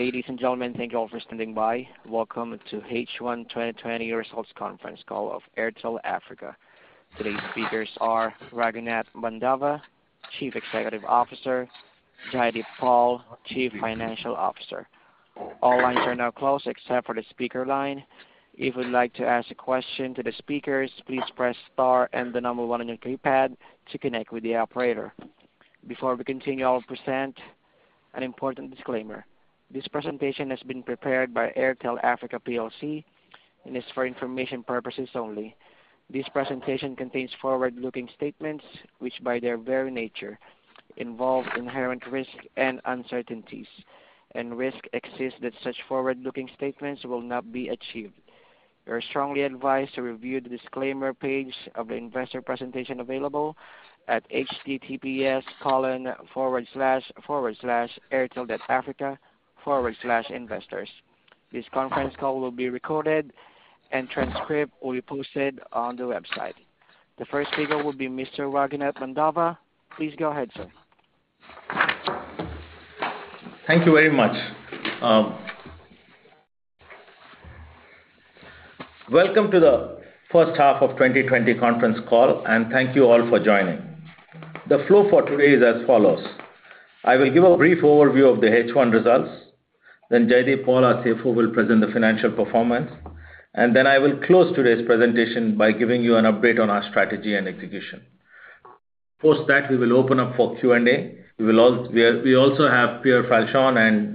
Ladies and gentlemen, thank you all for standing by. Welcome to H1 2020 Results Conference Call of Airtel Africa. Today's speakers are Raghunath Mandava, Chief Executive Officer, Jaideep Paul, Chief Financial Officer. All lines are now closed except for the speaker line. If you'd like to ask a question to the speakers, please press star and the number 1 on your keypad to connect with the operator. Before we continue, I will present an important disclaimer. This presentation has been prepared by Airtel Africa plc and is for information purposes only. This presentation contains forward-looking statements, which by their very nature, involve inherent risks and uncertainties, and risk exists that such forward-looking statements will not be achieved. You are strongly advised to review the disclaimer page of the investor presentation available at https://airtel.africa/investors. This conference call will be recorded and transcript will be posted on the website. The first speaker will be Mr. Raghunath Mandava. Please go ahead, sir. Thank you very much. Welcome to the first half of 2020 conference call, and thank you all for joining. The flow for today is as follows. I will give a brief overview of the H1 results. Jaideep Paul, our CFO, will present the financial performance. Then I will close today's presentation by giving you an update on our strategy and execution. Post that, we will open up for Q&A. We also have Pier Falcione,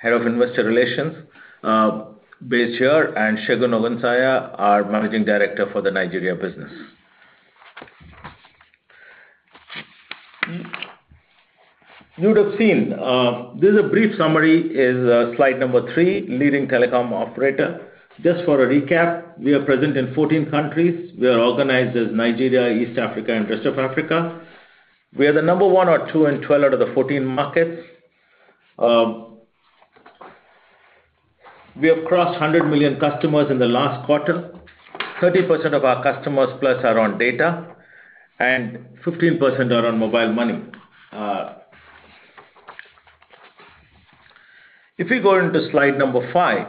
Head of Investor Relations based here, and Segun Ogunsanya, our Managing Director for the Nigeria business. You would have seen, there is a brief summary in slide number three, leading telecom operator. Just for a recap, we are present in 14 countries. We are organized as Nigeria, East Africa, and rest of Africa. We are the number 1 or 2 in 12 out of the 14 markets. We have crossed 100 million customers in the last quarter. 30% of our customers plus are on data, and 15% are on Mobile Money. If we go into slide number five,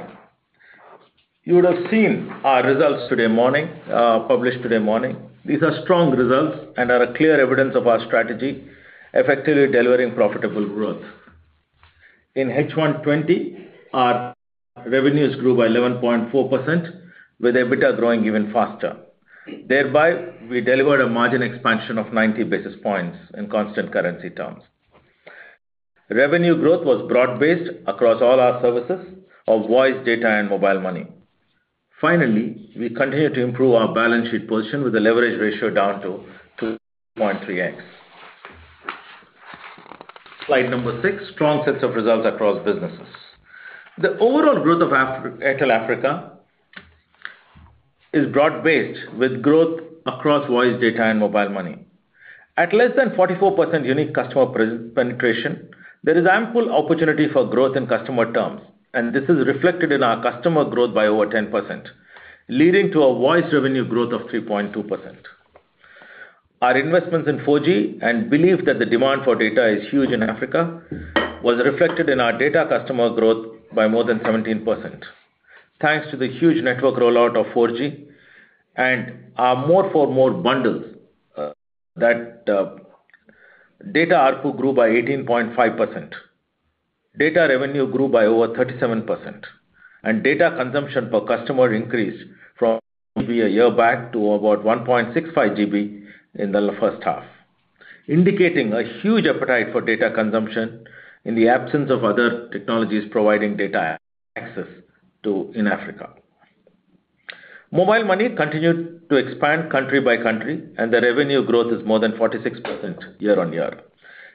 you would have seen our results today morning, published today morning. These are strong results and are a clear evidence of our strategy, effectively delivering profitable growth. In H1 2020, our revenues grew by 11.4%, with EBITDA growing even faster. Thereby, we delivered a margin expansion of 90 basis points in constant currency terms. Revenue growth was broad-based across all our services of voice, data, and Mobile Money. Finally, we continue to improve our balance sheet position with the leverage ratio down to 2.3X. Slide number six, strong sets of results across businesses. The overall growth of Airtel Africa is broad-based with growth across voice, data, and Mobile Money. At less than 44% unique customer penetration, there is ample opportunity for growth in customer terms, and this is reflected in our customer growth by over 10%, leading to a voice revenue growth of 3.2%. Our investments in 4G and belief that the demand for data is huge in Africa was reflected in our data customer growth by more than 17%. Thanks to the huge network rollout of 4G and our More for More bundles, that data ARPU grew by 18.5%. Data revenue grew by over 37%, and data consumption per customer increased from a year back to about 1.65 GB in the first half, indicating a huge appetite for data consumption in the absence of other technologies providing data access too in Africa. Mobile Money continued to expand country by country, and the revenue growth is more than 46% year on year.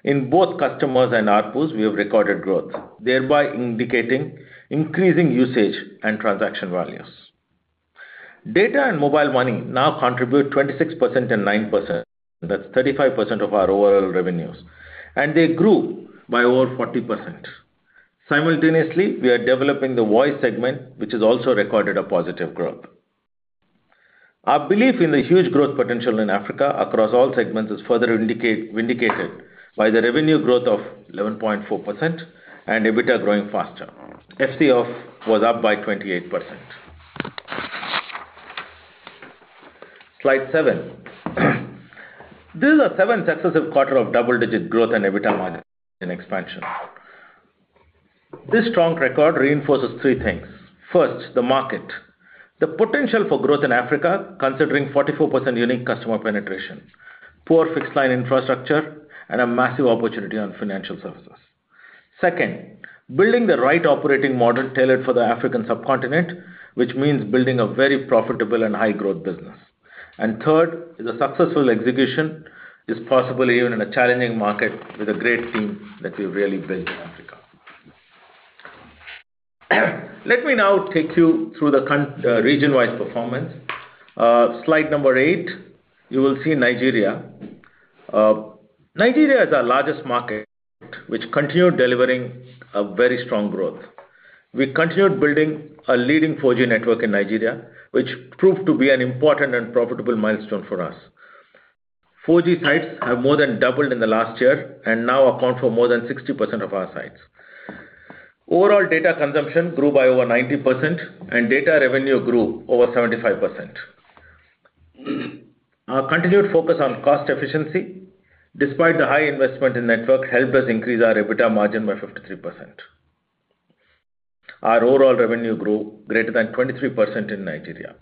In both customers and ARPUs, we have recorded growth, thereby indicating increasing usage and transaction values. Data and Mobile Money now contribute 26% and 9%. That's 35% of our overall revenues, and they grew by over 40%. Simultaneously, we are developing the voice segment, which has also recorded a positive growth. Our belief in the huge growth potential in Africa across all segments is further vindicated by the revenue growth of 11.4% and EBITDA growing faster. FCF was up by 28%. Slide seven. This is our seventh successive quarter of double-digit growth and EBITDA margin expansion. This strong record reinforces three things. First, the market. The potential for growth in Africa, considering 44% unique customer penetration, poor fixed line infrastructure, and a massive opportunity on financial services. Second, building the right operating model tailored for the African subcontinent, which means building a very profitable and high growth business. Third is a successful execution is possible even in a challenging market with a great team that we've really built in Africa. Let me now take you through the region-wide performance. Slide number eight, you will see Nigeria. Nigeria is our largest market, which continued delivering a very strong growth. We continued building a leading 4G network in Nigeria, which proved to be an important and profitable milestone for us. 4G sites have more than doubled in the last year and now account for more than 60% of our sites. Overall data consumption grew by over 90%, and data revenue grew over 75%. Our continued focus on cost efficiency, despite the high investment in network, helped us increase our EBITDA margin by 53%. Our overall revenue grew greater than 23% in Nigeria.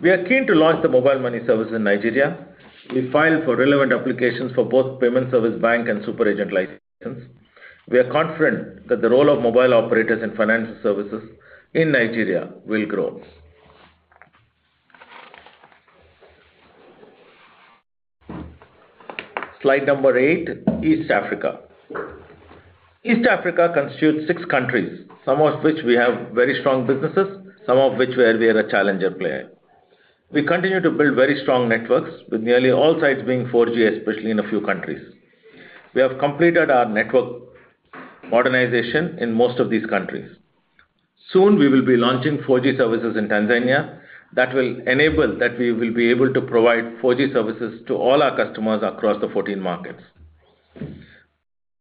We are keen to launch the Mobile Money service in Nigeria. We filed for relevant applications for both payment service bank and super agent licenses. We are confident that the role of mobile operators in financial services in Nigeria will grow. Slide number eight, East Africa. East Africa constitutes six countries, some of which we have very strong businesses, some of which we are the challenger player. We continue to build very strong networks with nearly all sites being 4G, especially in a few countries. We have completed our network modernization in most of these countries. Soon, we will be launching 4G services in Tanzania, that we will be able to provide 4G services to all our customers across the 14 markets.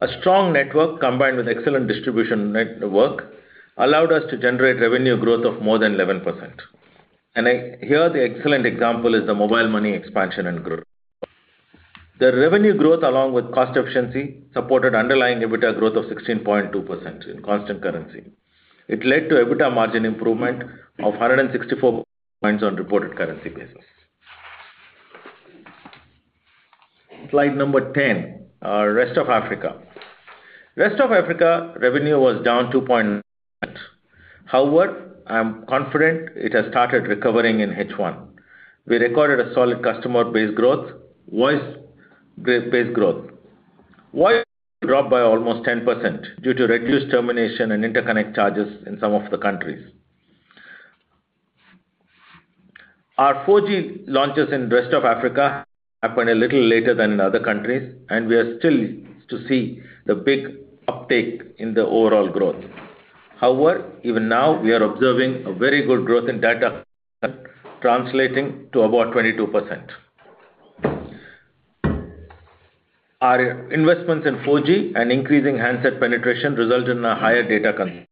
A strong network combined with excellent distribution network allowed us to generate revenue growth of more than 11%. Here, the excellent example is the Mobile Money expansion and growth. The revenue growth, along with cost efficiency, supported underlying EBITDA growth of 16.2% in constant currency. It led to EBITDA margin improvement of 164 points on reported currency basis. Slide number 10, Rest of Africa. Rest of Africa revenue was down 2.9%. However, I am confident it has started recovering in H1. We recorded a solid customer base growth, voice base growth. Voice dropped by almost 10% due to reduced termination and interconnect charges in some of the countries. Our 4G launches in Rest of Africa happened a little later than in other countries, and we are still yet to see the big uptake in the overall growth. However, even now, we are observing a very good growth in data translating to about 22%. Our investments in 4G and increasing handset penetration result in a higher data consumption.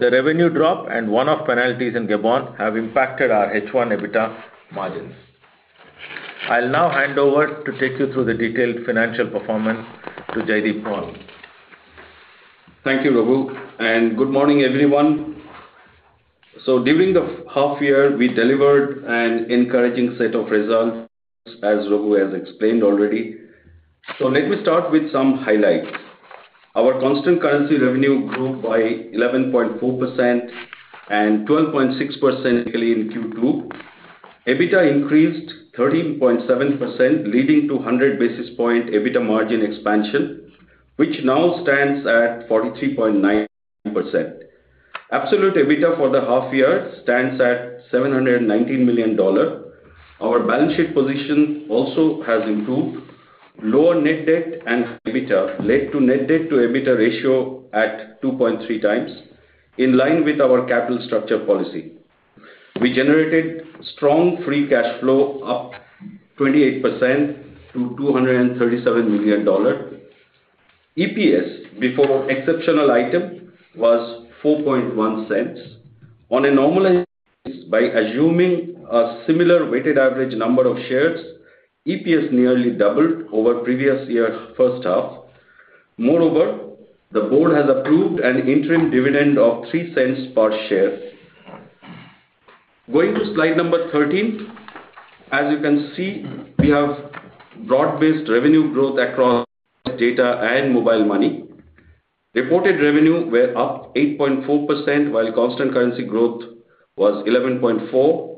The revenue drop and one-off penalties in Gabon have impacted our H1 EBITDA margins. I'll now hand over to take you through the detailed financial performance to JD Paul. Thank you, Raghu, and good morning, everyone. During the half year, we delivered an encouraging set of results as Raghu has explained already. Let me start with some highlights. Our constant currency revenue grew by 11.4% and 12.6% yearly in Q2. EBITDA increased 13.7%, leading to 100 basis point EBITDA margin expansion, which now stands at 43.9%. Absolute EBITDA for the half year stands at $719 million. Our balance sheet position also has improved. Lower net debt and EBITDA led to net debt to EBITDA ratio at 2.3 times, in line with our capital structure policy. We generated strong free cash flow up 28% to $237 million. EPS before exceptional item was $0.041. On a normal basis, by assuming a similar weighted average number of shares, EPS nearly doubled over previous year first half. Moreover, the board has approved an interim dividend of $0.03 per share. Going to slide number 13. As you can see, we have broad-based revenue growth across data and Mobile Money. Reported revenue were up 8.4%, while constant currency growth was 11.4%.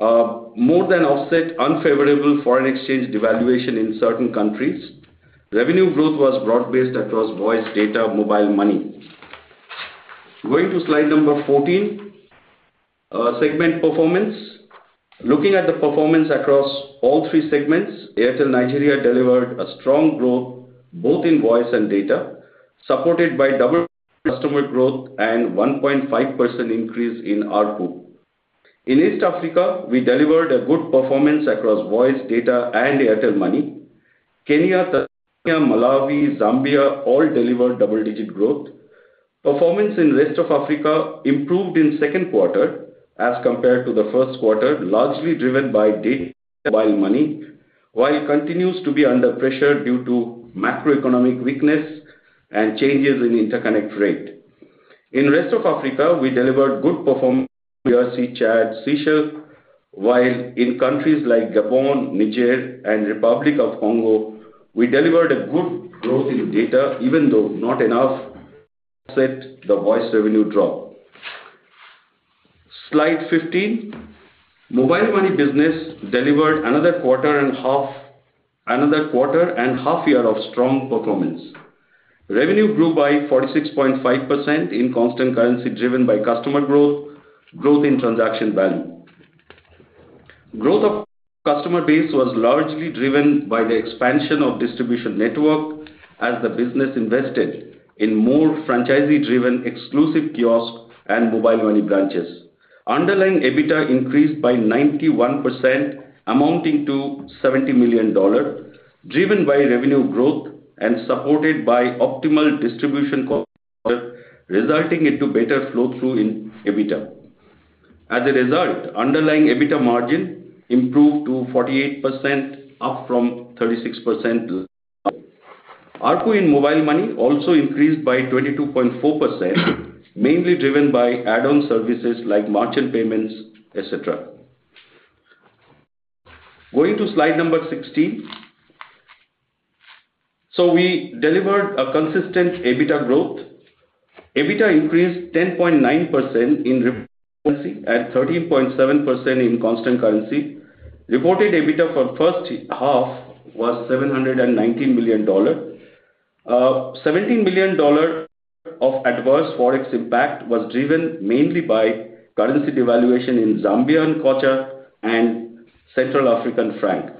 More than offset unfavorable foreign exchange devaluation in certain countries. Revenue growth was broad-based across voice data Mobile Money. Going to slide number 14. Segment performance. Looking at the performance across all three segments, Airtel Nigeria delivered a strong growth both in voice and data, supported by double customer growth and 1.5% increase in ARPU. In East Africa, we delivered a good performance across voice, data, and Airtel Money. Kenya, Tanzania, Malawi, Zambia, all delivered double-digit growth. Performance in Rest of Africa improved in second quarter as compared to the first quarter, largely driven by data, Mobile Money, while it continues to be under pressure due to macroeconomic weakness and changes in interconnect rate. In Rest of Africa, we delivered good performance. We see Chad, Seychelles. While in countries like Gabon, Niger, and Republic of Congo, we delivered good growth in data, even though not enough to offset the voice revenue drop. Slide 15. Mobile Money business delivered another quarter and half year of strong performance. Revenue grew by 46.5% in constant currency, driven by customer growth in transaction value. Growth of customer base was largely driven by the expansion of distribution network as the business invested in more franchisee-driven exclusive kiosk and Mobile Money branches. Underlying EBITDA increased by 91%, amounting to $70 million, driven by revenue growth and supported by optimal distribution costs, resulting in better flow-through in EBITDA. As a result, underlying EBITDA margin improved to 48%, up from 36%. ARPU in Mobile Money also increased by 22.4%, mainly driven by add-on services like merchant payments, et cetera. Going to slide number 16. We delivered consistent EBITDA growth. EBITDA increased 10.9% in currency and 13.7% in constant currency. Reported EBITDA for first half was $719 million. $17 million of adverse Forex impact was driven mainly by currency devaluation in Zambia, Kwacha, and Central African Franc.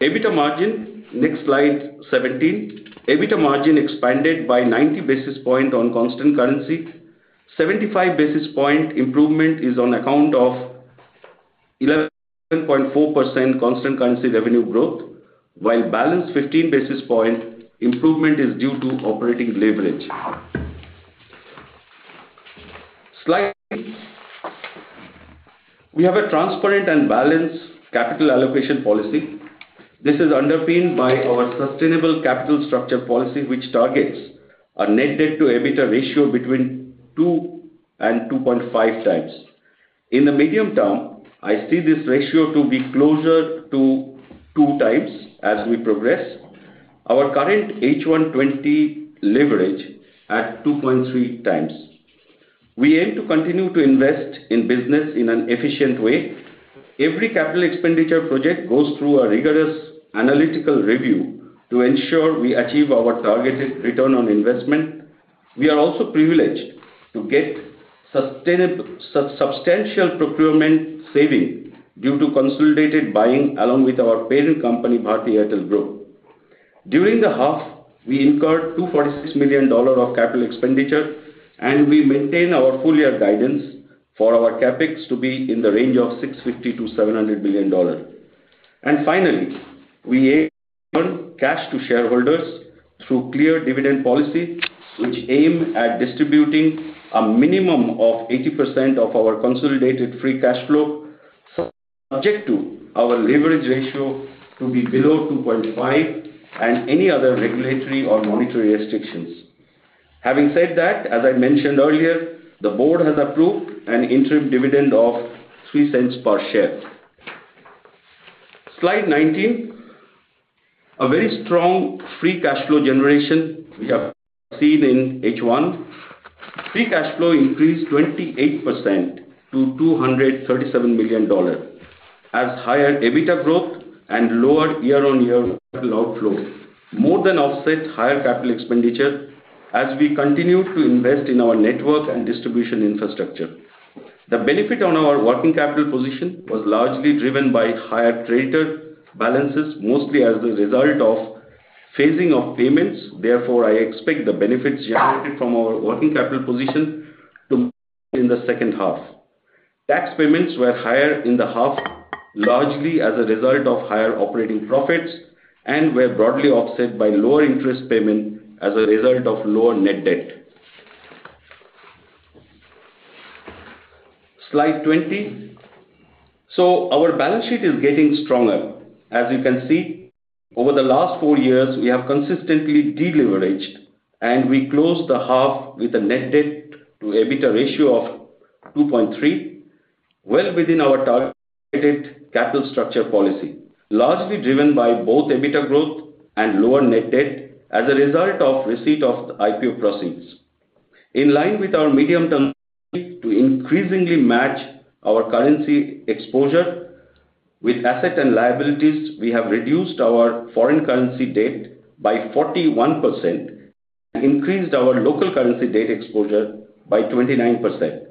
EBITDA margin, next, slide 17. EBITDA margin expanded by 90 basis points on constant currency. 75 basis points improvement is on account of 11.4% constant currency revenue growth, while balance 15 basis points improvement is due to operating leverage. We have a transparent and balanced capital allocation policy. This is underpinned by our sustainable capital structure policy, which targets a net debt to EBITDA ratio between 2 and 2.5 times. In the medium term, I see this ratio to be closer to 2 times as we progress. Our current H1 2020 leverage at 2.3 times. We aim to continue to invest in business in an efficient way. Every capital expenditure project goes through a rigorous analytical review to ensure we achieve our targeted return on investment. We are also privileged to get substantial procurement saving due to consolidated buying along with our parent company, Bharti Airtel Group. During the half, we incurred $246 million of capital expenditure, and we maintain our full year guidance for our CapEx to be in the range of $650 million-$700 million. Finally, we aim cash to shareholders through clear dividend policy, which aims at distributing a minimum of 80% of our consolidated free cash flow, subject to our leverage ratio to be below 2.5 and any other regulatory or monetary restrictions. Having said that, as I mentioned earlier, the board has approved an interim dividend of $0.03 per share. Slide 19. A very strong free cash flow generation we have seen in H1. Free cash flow increased 28% to $237 million, as higher EBITDA growth and lower year-on-year capital outflow more than offset higher capital expenditure as we continued to invest in our network and distribution infrastructure. The benefit on our working capital position was largely driven by higher creditor balances, mostly as a result of phasing of payments. Therefore, I expect the benefits generated from our working capital position to in the second half. Tax payments were higher in the half, largely as a result of higher operating profits and were broadly offset by lower interest payments as a result of lower net debt. Slide 20. Our balance sheet is getting stronger. As you can see, over the last four years, we have consistently deleveraged, and we closed the half with a net debt to EBITDA ratio of 2.3, well within our targeted capital structure policy, largely driven by both EBITDA growth and lower net debt as a result of receipt of the IPO proceeds. In line with our medium-term strategy to increasingly match our currency exposure with asset and liabilities, we have reduced our foreign currency debt by 41% and increased our local currency debt exposure by 22%.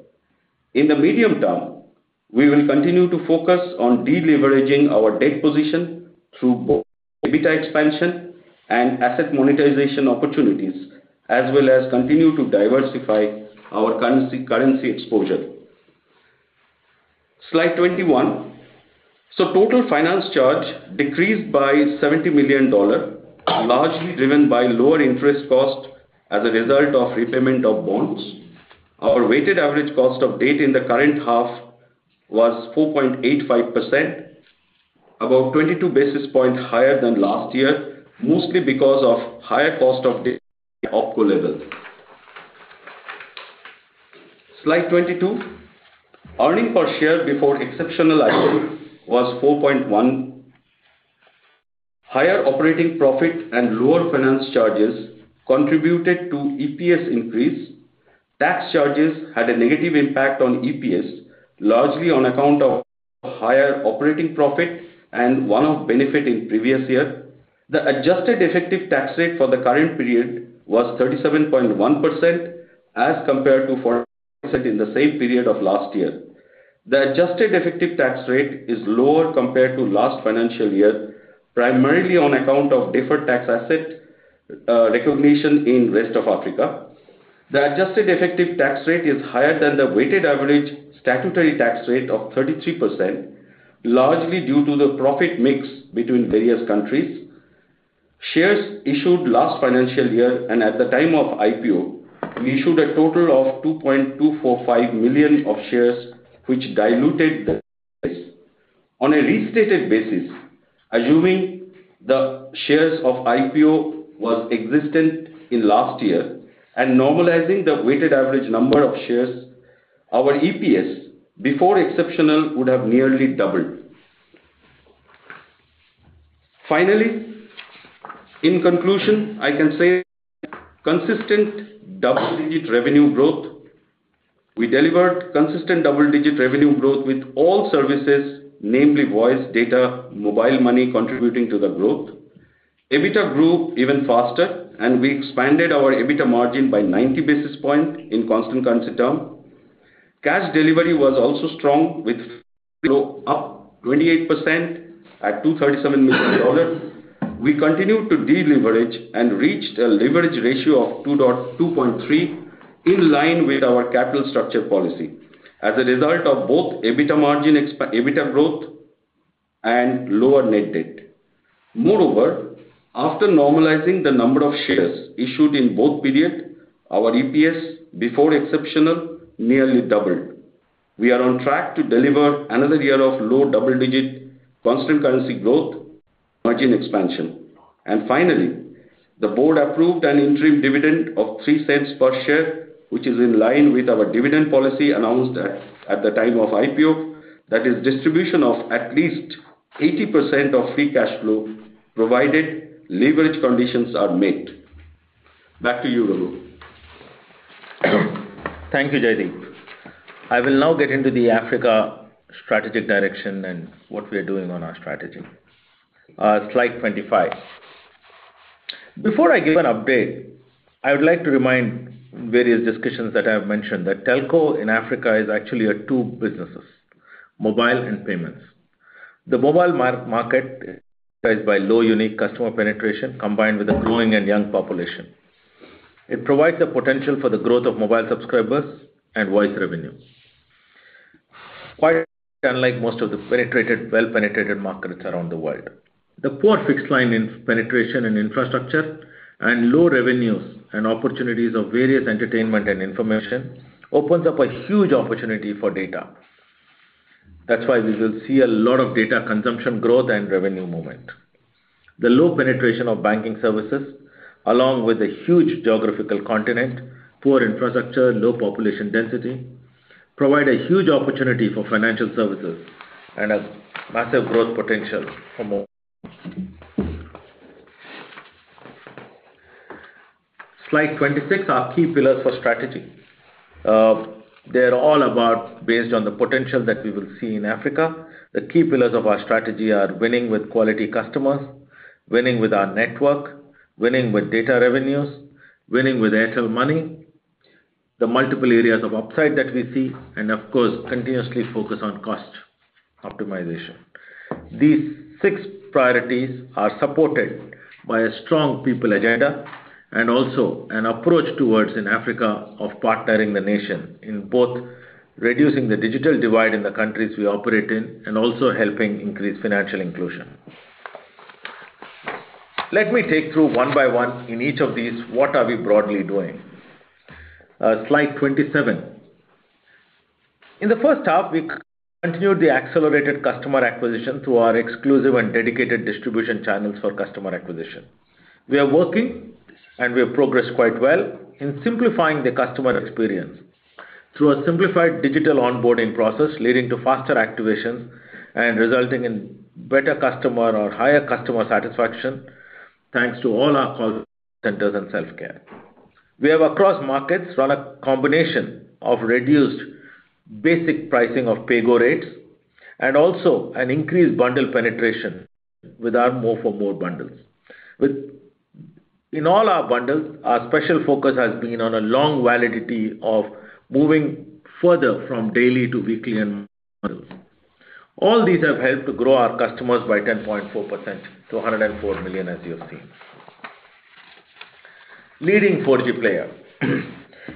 In the medium term, we will continue to focus on deleveraging our debt position through both EBITDA expansion and asset monetization opportunities, as well as continue to diversify our currency exposure. Slide 21. Total finance charge decreased by $70 million, largely driven by lower interest cost as a result of repayment of bonds. Our weighted average cost of debt in the current half was 4.85%, about 22 basis points higher than last year, mostly because of higher cost of debt at the OpCo level. Slide 22. Earnings per share before exceptional item was 4.1. Higher operating profit and lower finance charges contributed to EPS increase. Tax charges had a negative impact on EPS, largely on account of higher operating profit and one-off benefit in previous year. The adjusted effective tax rate for the current period was 37.1% as compared to 4% in the same period of last year. The adjusted effective tax rate is lower compared to last financial year, primarily on account of deferred tax asset recognition in the Rest of Africa. The adjusted effective tax rate is higher than the weighted average statutory tax rate of 33%, largely due to the profit mix between various countries. Shares issued last financial year and at the time of IPO, we issued a total of 2.245 million of shares, which diluted the price. On a restated basis, assuming the shares of IPO was existent in last year and normalizing the weighted average number of shares, our EPS before exceptional would have nearly doubled. Finally, in conclusion, I can say consistent double-digit revenue growth. We delivered consistent double-digit revenue growth with all services, namely voice, data, Mobile Money, contributing to the growth. EBITDA grew even faster, and we expanded our EBITDA margin by 90 basis points in constant currency term. Cash delivery was also strong with flow up 28% at $237 million. We continued to deleverage and reached a leverage ratio of 2.3, in line with our capital structure policy, as a result of both EBITDA growth and lower net debt. Moreover, after normalizing the number of shares issued in both periods, our EPS before exceptional nearly doubled. We are on track to deliver another year of low double-digit constant currency growth margin expansion. Finally, the board approved an interim dividend of $0.03 per share, which is in line with our dividend policy announced at the time of IPO. That is distribution of at least 80% of free cash flow, provided leverage conditions are met. Back to you, Raghu. Thank you, Jaideep. I will now get into the Africa strategic direction and what we are doing on our strategy. Slide 25. Before I give an update, I would like to remind various discussions that I have mentioned, that telco in Africa is actually two businesses, mobile and payments. The mobile market, characterized by low unique customer penetration combined with a growing and young population. It provides the potential for the growth of mobile subscribers and voice revenue. Quite unlike most of the well-penetrated markets around the world. The poor fixed line penetration and infrastructure and low revenues and opportunities of various entertainment and information opens up a huge opportunity for data. That is why we will see a lot of data consumption growth and revenue movement. The low penetration of banking services, along with a huge geographical continent, poor infrastructure, low population density, provide a huge opportunity for financial services and a massive growth potential for mobile. Slide 26, our key pillars for strategy. They are all based on the potential that we will see in Africa. The key pillars of our strategy are winning with quality customers, winning with our network, winning with data revenues, winning with Airtel Money, the multiple areas of upside that we see, and of course, continuously focus on cost optimization. These six priorities are supported by a strong people agenda and also an approach towards in Africa of partnering the nation in both reducing the digital divide in the countries we operate in and also helping increase financial inclusion. Let me take through one by one in each of these, what are we broadly doing. Slide 27. In the first half, we continued the accelerated customer acquisition through our exclusive and dedicated distribution channels for customer acquisition. We are working, and we have progressed quite well in simplifying the customer experience through a simplified digital onboarding process, leading to faster activations and resulting in better customer or higher customer satisfaction, thanks to all our call centers and self-care. We have, across markets, run a combination of reduced basic pricing of PAYGo rates and also an increased bundle penetration with our More for More bundles. In all our bundles, our special focus has been on a long validity of moving further from daily to weekly bundles. All these have helped grow our customers by 10.4% to 104 million, as you have seen. Leading 4G player.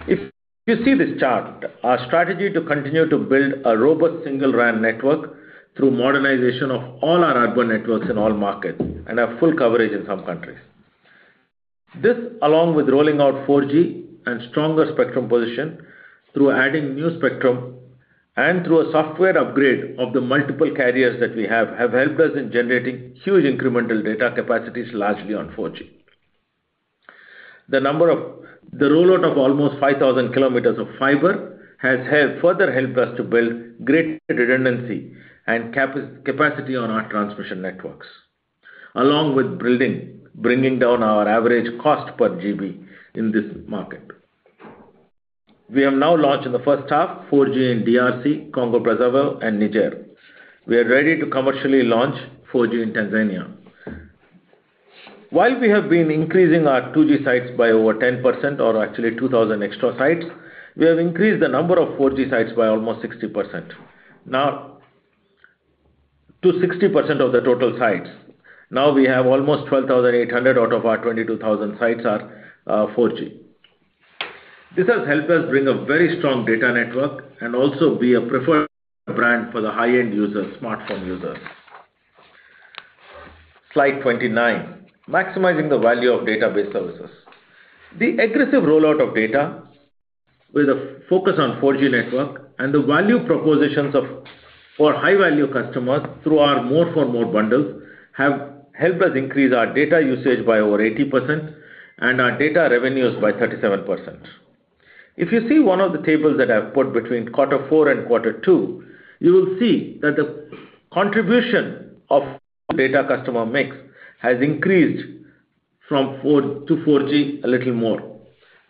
If you see this chart, our strategy to continue to build a robust Single RAN network through modernization of all our urban networks in all markets, and have full coverage in some countries. This, along with rolling out 4G and stronger spectrum position through adding new spectrum and through a software upgrade of the multiple carriers that we have helped us in generating huge incremental data capacities, largely on 4G. The rollout of almost 5,000 kilometers of fiber has further helped us to build greater redundancy and capacity on our transmission networks, along with bringing down our average cost per GB in this market. We have now launched in the first half 4G in DRC, Congo-Brazzaville and Niger. We are ready to commercially launch 4G in Tanzania. While we have been increasing our 2G sites by over 10%, or actually 2,000 extra sites, we have increased the number of 4G sites by almost 60%, now to 60% of the total sites. Now we have almost 12,800 out of our 22,000 sites are 4G. This has helped us bring a very strong data network and also be a preferred brand for the high-end smartphone users. Slide 29. Maximizing the value of database services. The aggressive rollout of data with a focus on 4G network and the value propositions for high-value customers through our More for More bundles have helped us increase our data usage by over 80% and our data revenues by 37%. If you see one of the tables that I've put between quarter four and quarter two, you will see that the contribution of data customer mix has increased from 4G a little more.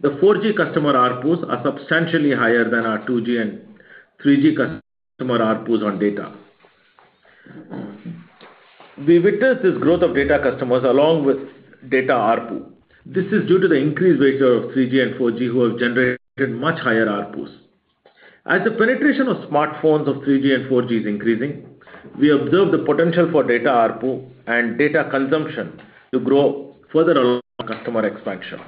The 4G customer ARPU are substantially higher than our 2G and 3G customer ARPU on data. We witnessed this growth of data customers along with data ARPU. This is due to the increased weightage of 3G and 4G, who have generated much higher ARPUs. As the penetration of smartphones of 3G and 4G is increasing, we observe the potential for data ARPU and data consumption to grow further along with customer expansion.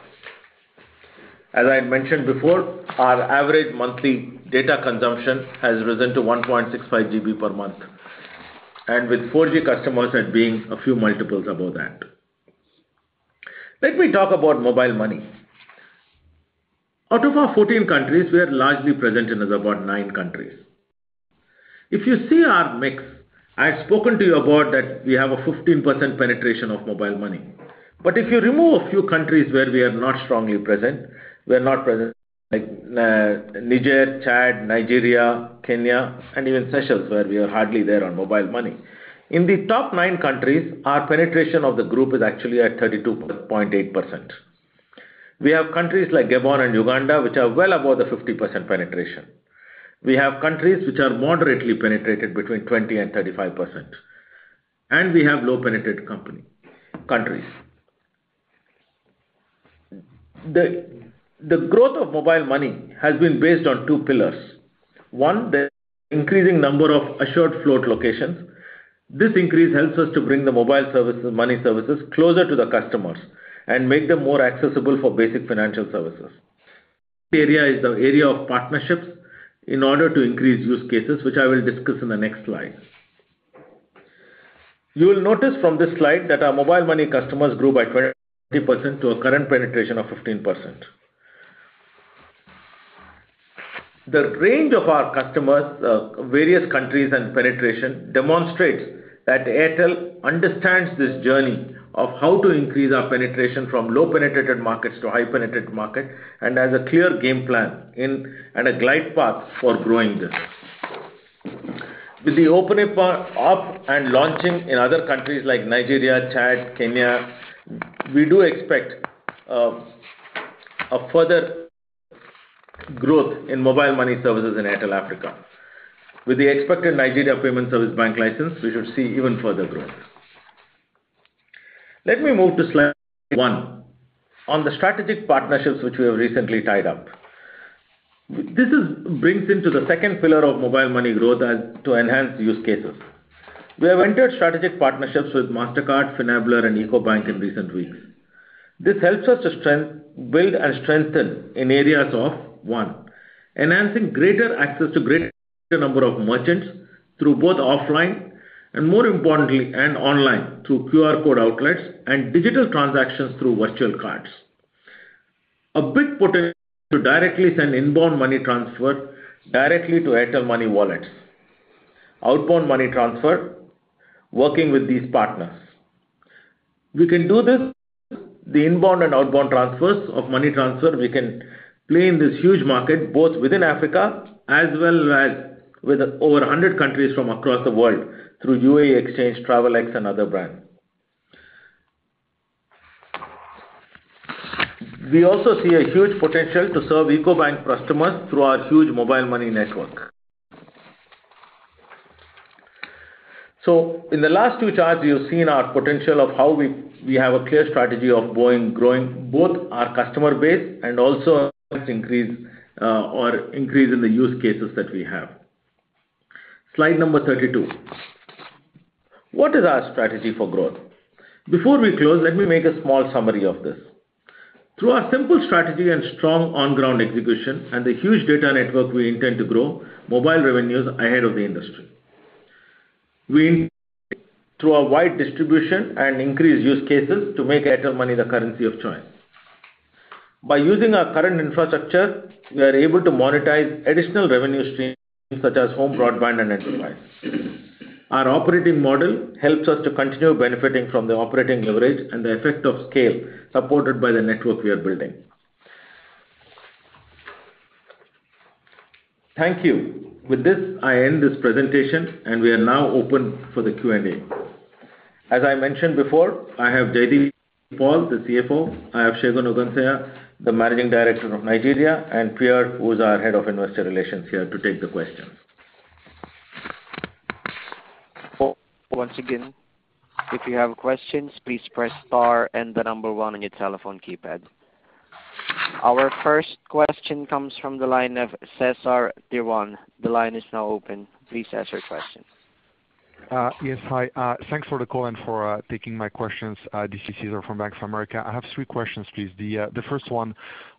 As I mentioned before, our average monthly data consumption has risen to 1.65 GB per month, and with 4G customers as being a few multiples above that. Let me talk about Mobile Money. Out of our 14 countries, we are largely present in about nine countries. If you see our mix, I had spoken to you about that we have a 15% penetration of Mobile Money. If you remove a few countries where we are not strongly present, we are not present like Niger, Chad, Nigeria, Kenya, and even Seychelles, where we are hardly there on Mobile Money. In the top nine countries, our penetration of the group is actually at 32.8%. We have countries like Gabon and Uganda, which are well above the 50% penetration. We have countries which are moderately penetrated between 20% and 35%, and we have low-penetrated countries. The growth of Mobile Money has been based on two pillars. One, the increasing number of assured float locations. This increase helps us to bring the Mobile Money services closer to the customers and make them more accessible for basic financial services. The second area is the area of partnerships in order to increase use cases, which I will discuss in the next slide. You will notice from this slide that our Mobile Money customers grew by 20% to a current penetration of 15%. The range of our customers, various countries and penetration demonstrates that Airtel understands this journey of how to increase our penetration from low-penetrated markets to high-penetrated market, and has a clear game plan and a glide path for growing this. With the opening up and launching in other countries like Nigeria, Chad, Kenya, we do expect a further growth in Mobile Money services in Airtel Africa. With the expected Nigeria payment service bank license, we should see even further growth. Let me move to slide 31 on the strategic partnerships which we have recently tied up. This brings into the second pillar of Mobile Money growth to enhance use cases. We have entered strategic partnerships with Mastercard, Finablr, and Ecobank in recent weeks. This helps us to build and strengthen in areas of, one, enhancing greater access to greater number of merchants through both offline and more importantly, and online through QR code outlets and digital transactions through virtual cards. A big potential to directly send inbound money transfer directly to Airtel Money Wallets. Outbound money transfer, working with these partners. We can do this, the inbound and outbound transfers of money transfer. We can play in this huge market, both within Africa as well as with over 100 countries from across the world through UAE Exchange, Travelex, and other brands. We also see a huge potential to serve Ecobank customers through our huge Mobile Money network. So in the last two charts, you've seen our potential of how we have a clear strategy of growing both our customer base and also our increase in the use cases that we have. Slide number 32. What is our strategy for growth? Before we close, let me make a small summary of this. Through our simple strategy and strong on-ground execution and the huge data network, we intend to grow mobile revenues ahead of the industry. We intend to grow through our wide distribution and increase use cases to make Airtel Money the currency of choice. By using our current infrastructure, we are able to monetize additional revenue streams such as home broadband and enterprise. Our operating model helps us to continue benefiting from the operating leverage and the effect of scale supported by the network we are building. Thank you. With this, I end this presentation, and we are now open for the Q&A. As I mentioned before, I have JD Paul, the CFO. I have Segun Ogunsanya, the Managing Director of Nigeria, and Pier, who is our Head of Investor Relations here to take the questions. Once again, if you have questions, please press star and the number 1 on your telephone keypad. Our first question comes from the line of Cesar Tiron. The line is now open. Please ask your question. Yes. Hi. Thanks for the call and for taking my questions. This is Cesar from Bank of America. I have three questions, please. The first one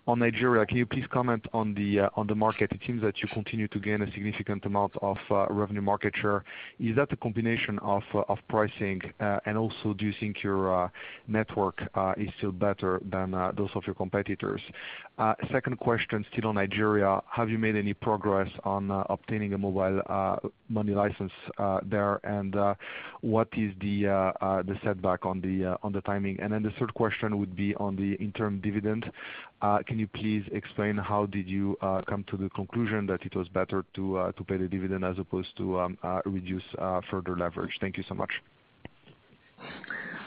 on Nigeria. Can you please comment on the market? It seems that you continue to gain a significant amount of revenue market share. Is that a combination of pricing? Also, do you think your network is still better than those of your competitors? Second question, still on Nigeria. Have you made any progress on obtaining a Mobile Money license there? What is the setback on the timing? The third question would be on the interim dividend. Can you please explain how did you come to the conclusion that it was better to pay the dividend as opposed to reduce further leverage? Thank you so much.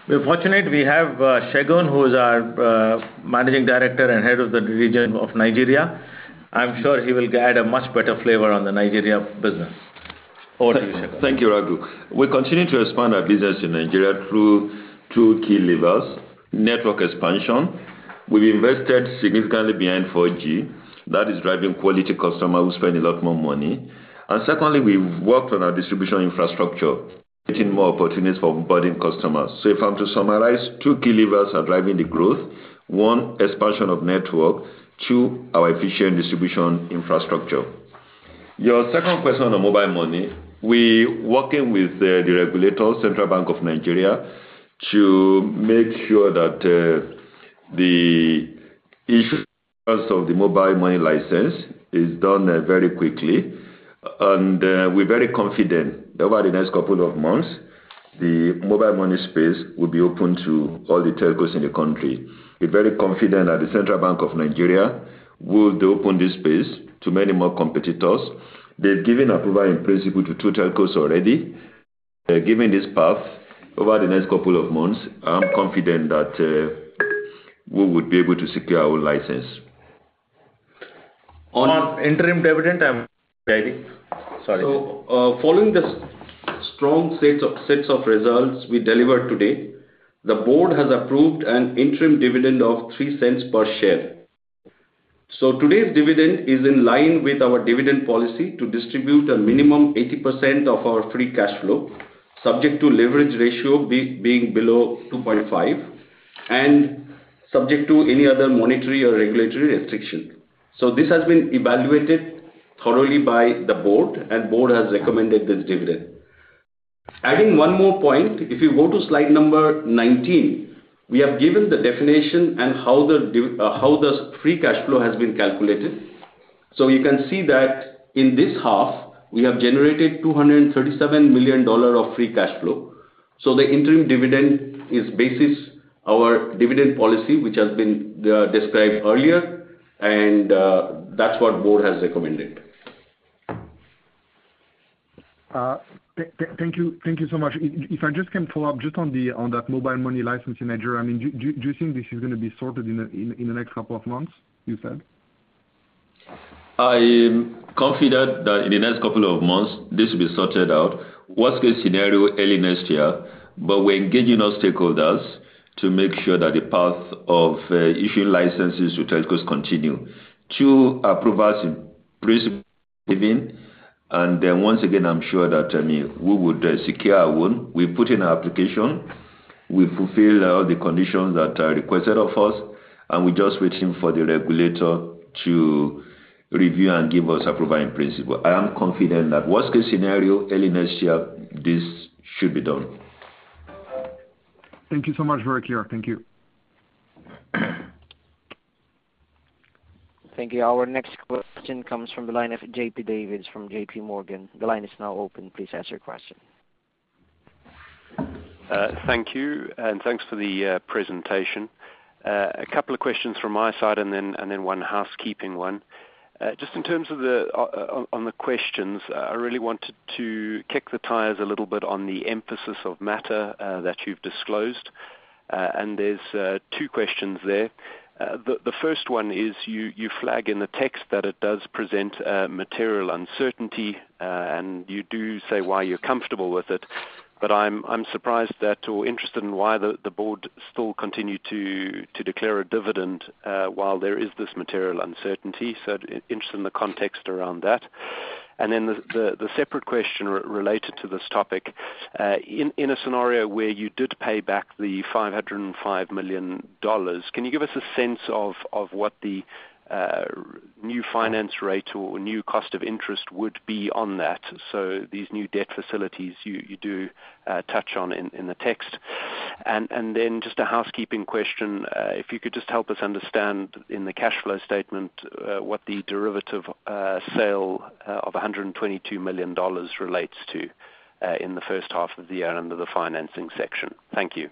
We are fortunate, we have Segun, who is our Managing Director and head of the region of Nigeria. I'm sure he will add a much better flavor on the Nigeria business. Over to you Segun. Thank you, Raghu. We continue to expand our business in Nigeria through two key levers. Network expansion. We've invested significantly behind 4G. That is driving quality customers who spend a lot more money. Secondly, we've worked on our distribution infrastructure, creating more opportunities for budding customers. If I'm to summarize, two key levers are driving the growth. One, expansion of network, two, our efficient distribution infrastructure. Your second question on Mobile Money. We working with the regulator, Central Bank of Nigeria, to make sure that the issuance of the Mobile Money license is done very quickly. We're very confident over the next couple of months, the Mobile Money space will be open to all the telcos in the country. We're very confident that the Central Bank of Nigeria would open this space to many more competitors. They've given approval in principle to two telcos already. Given this path, over the next couple of months, I'm confident that we would be able to secure our license. On interim dividend, I'm ready. Sorry. Following the strong sets of results we delivered today, the Board has approved an interim dividend of $0.03 per share. Today's dividend is in line with our dividend policy to distribute a minimum 80% of our free cash flow, subject to leverage ratio being below 2.5, and subject to any other monetary or regulatory restriction. This has been evaluated thoroughly by the Board, and Board has recommended this dividend. Adding one more point. If you go to slide number 19, we have given the definition and how the free cash flow has been calculated. You can see that in this half, we have generated $237 million of free cash flow. The interim dividend is basis our dividend policy, which has been described earlier, and that's what Board has recommended. Thank you so much. If I just can follow up just on that Mobile Money license in Nigeria, do you think this is going to be sorted in the next couple of months, you said? I am confident that in the next couple of months, this will be sorted out. Worst case scenario, early next year. We're engaging our stakeholders to make sure that the path of issuing licenses to telcos continue. Two approvals in and then once again, I'm sure that we would secure our own. We put in our application. We fulfill all the conditions that are requested of us, and we're just waiting for the regulator to review and give us approval in principle. I am confident that worst case scenario, early next year, this should be done. Thank you so much for your clear. Thank you. Thank you. Our next question comes from the line of John-Paul Davis from JP Morgan. The line is now open. Please ask your question. Thank you, and thanks for the presentation. A couple of questions from my side and then one housekeeping one. Just in terms on the questions, I really wanted to kick the tires a little bit on the emphasis of matter that you've disclosed. There's two questions there. The first one is, you flag in the text that it does present material uncertainty. You do say why you're comfortable with it. I'm surprised at or interested in why the board still continue to declare a dividend, while there is this material uncertainty. Interested in the context around that. The separate question related to this topic. In a scenario where you did pay back the $505 million, can you give us a sense of what the new finance rate or new cost of interest would be on that? These new debt facilities you do touch on in the text. Just a housekeeping question, if you could just help us understand in the cash flow statement what the derivative sale of $122 million relates to, in the first half of the year under the financing section. Thank you.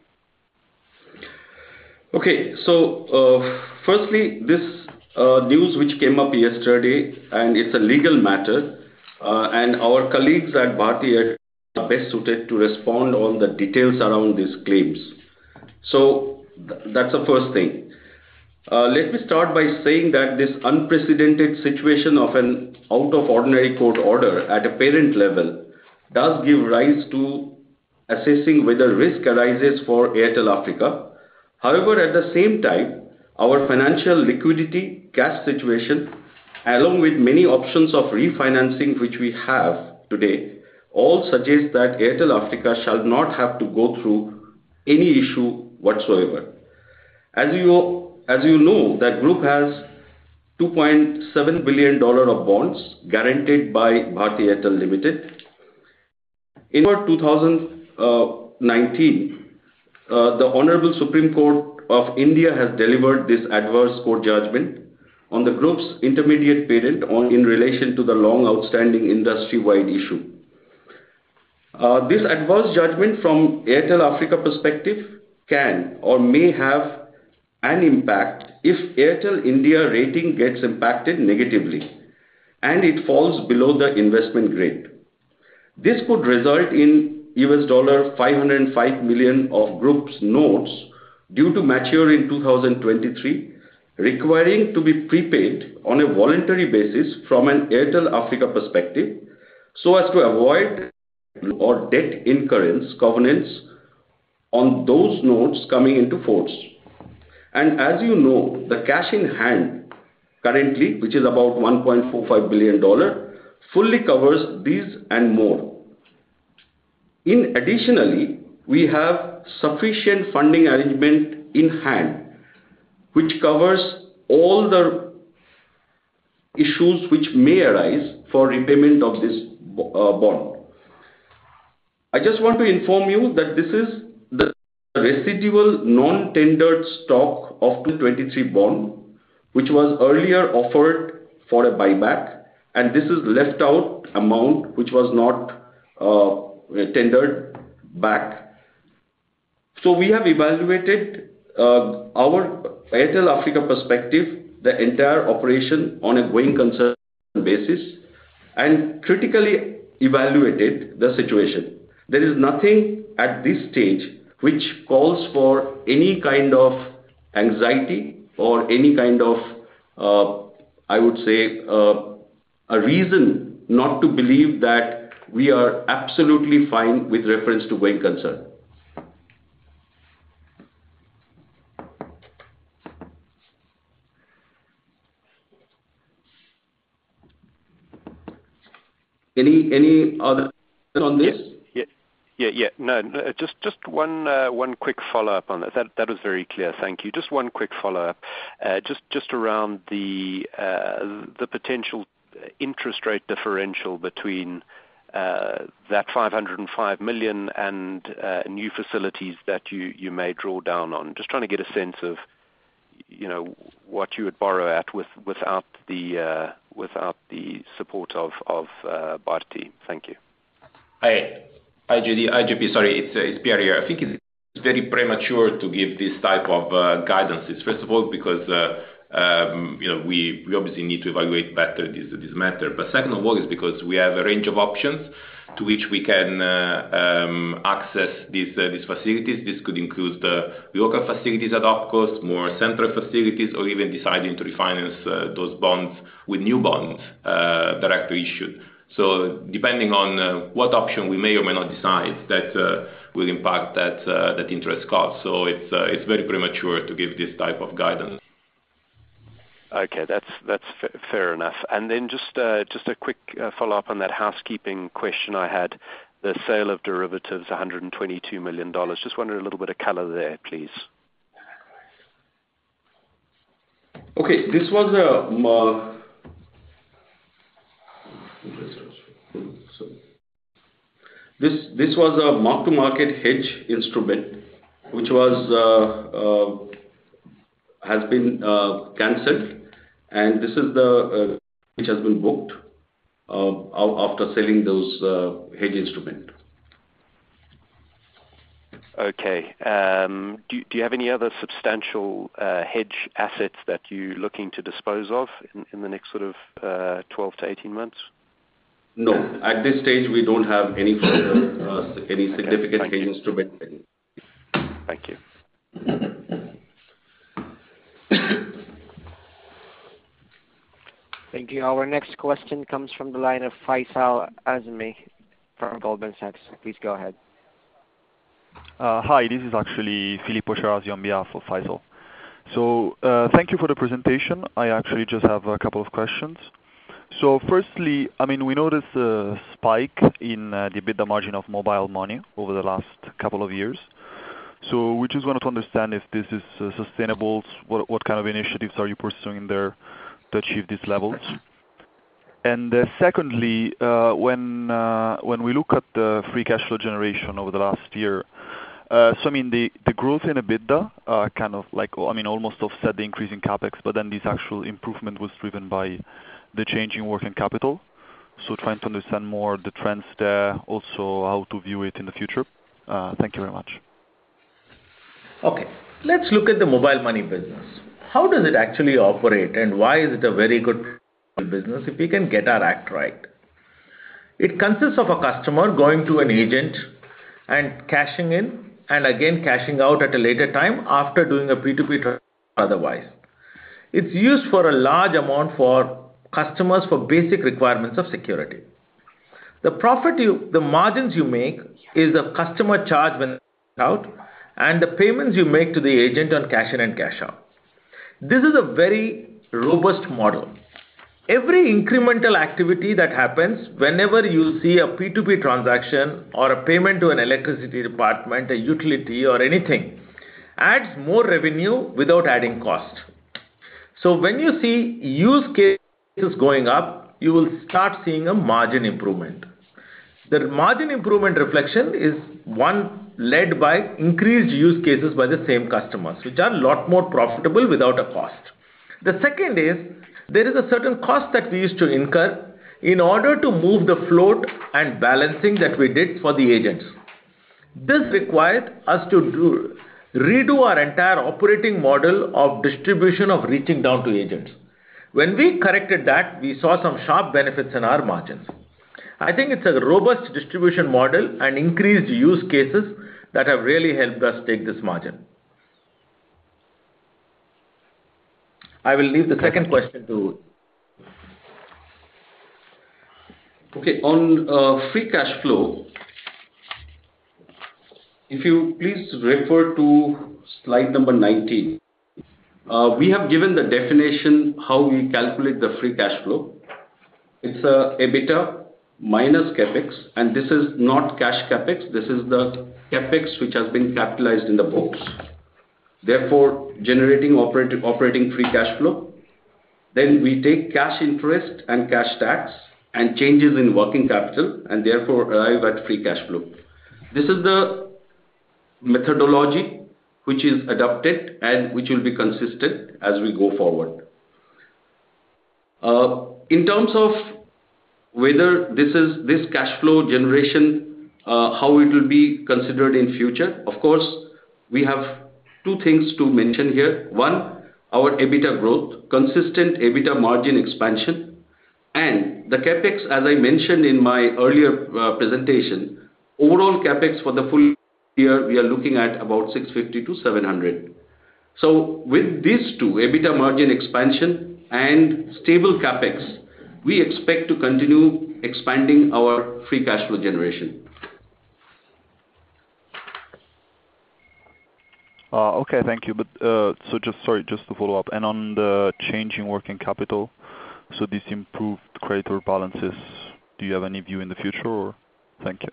Firstly, this news which came up yesterday, it is a legal matter. Our colleagues at Bharti are best suited to respond on the details around these claims. That is the first thing. Let me start by saying that this unprecedented situation of an out-of-ordinary court order at a parent level does give rise to assessing whether risk arises for Airtel Africa. However, at the same time, our financial liquidity cash situation, along with many options of refinancing which we have today, all suggest that Airtel Africa shall not have to go through any issue whatsoever. As you know, that group has $2.7 billion of bonds guaranteed by Bharti Airtel Limited. In March 2019, the Honorable Supreme Court of India has delivered this adverse court judgment on the group's intermediate parent in relation to the long-outstanding industry-wide issue. This adverse judgment from Airtel Africa perspective can or may have an impact if Airtel India rating gets impacted negatively, it falls below the investment grade. This could result in US$505 million of group's notes due to mature in 2023, requiring to be prepaid on a voluntary basis from an Airtel Africa perspective, so as to avoid debt incurrence governance on those notes coming into force. As you know, the cash in hand currently, which is about $1.45 billion, fully covers these and more. Additionally, we have sufficient funding arrangement in hand, which covers all the issues which may arise for repayment of this bond. I just want to inform you that this is the residual non-tendered stock of 2023 bond, which was earlier offered for a buyback, and this is left out amount, which was not tendered back. We have evaluated our Airtel Africa perspective, the entire operation on a going concern basis, and critically evaluated the situation. There is nothing at this stage which calls for any kind of anxiety or any kind of, I would say, a reason not to believe that we are absolutely fine with reference to going concern. Any other on this? No, just one quick follow-up on that. That was very clear. Thank you. Just one quick follow-up. Just around the potential interest rate differential between that $505 million and new facilities that you may draw down on. Just trying to get a sense of what you would borrow at without the support of Bharti. Thank you. Hi, J.P. Sorry, it's Pierre here. I think it's very premature to give this type of guidances. First of all, because we obviously need to evaluate better this matter. Second of all, is because we have a range of options to which we can access these facilities. This could include the local facilities at OpCo, more central facilities, or even deciding to refinance those bonds with new bonds directly issued. Depending on what option we may or may not decide, that will impact that interest cost. It's very premature to give this type of guidance. Okay. That's fair enough. Then just a quick follow-up on that housekeeping question I had, the sale of derivatives, $122 million. Just wondering a little bit of color there, please. Okay. This was a mark-to-market hedge instrument, which has been canceled, which has been booked after selling those hedge instrument. Okay. Do you have any other substantial hedge assets that you're looking to dispose of in the next 12 to 18 months? No. At this stage, we don't have any further, any significant hedge instrument. Thank you. Thank you. Thank you. Our next question comes from the line of Faisal Azmi from Goldman Sachs. Please go ahead. Hi, this is actually Philippe on behalf of Faisal. Thank you for the presentation. I actually just have a couple of questions. Firstly, we noticed a spike in the EBITDA margin of Mobile Money over the last couple of years. We just wanted to understand if this is sustainable. What kind of initiatives are you pursuing there to achieve these levels? Secondly, when we look at the free cash flow generation over the last year, I mean, the growth in EBITDA almost offset the increase in CapEx, but this actual improvement was driven by the change in working capital. Trying to understand more the trends there, also how to view it in the future. Thank you very much. Okay. Let's look at the Mobile Money business. How does it actually operate, and why is it a very good business if we can get our act right? It consists of a customer going to an agent and cashing in, and again, cashing out at a later time after doing a P2P otherwise. It's used for a large amount for customers for basic requirements of security. The margins you make is the customer charge out, and the payments you make to the agent on cash in and cash out. This is a very robust model. Every incremental activity that happens whenever you see a P2P transaction or a payment to an electricity department, a utility, or anything, adds more revenue without adding cost. When you see use cases going up, you will start seeing a margin improvement. The margin improvement reflection is one led by increased use cases by the same customers, which are a lot more profitable without a cost. The second is, there is a certain cost that we used to incur in order to move the float and balancing that we did for the agents. This required us to redo our entire operating model of distribution of reaching down to agents. When we corrected that, we saw some sharp benefits in our margins. I think it's a robust distribution model and increased use cases that have really helped us take this margin. I will leave the second question to Okay. On free cash flow, if you please refer to slide number 19. We have given the definition, how we calculate the free cash flow. It's EBITDA minus CapEx, and this is not cash CapEx, this is the CapEx which has been capitalized in the books, therefore, generating operating free cash flow. We take cash interest and cash tax and changes in working capital, therefore, arrive at free cash flow. This is the methodology which is adopted and which will be consistent as we go forward. In terms of whether this cash flow generation, how it will be considered in future, of course, we have two things to mention here. One, our EBITDA growth, consistent EBITDA margin expansion, and the CapEx, as I mentioned in my earlier presentation, overall CapEx for the full year, we are looking at about $650 million-$700 million. With these two, EBITDA margin expansion and stable CapEx, we expect to continue expanding our free cash flow generation. Okay. Thank you. Sorry, just to follow up. On the change in working capital, this improved creditor balances, do you have any view in the future, or? Thank you.